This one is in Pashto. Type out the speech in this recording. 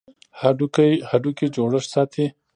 هډوکي جوړښت ساتي.